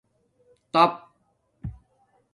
ٹآپ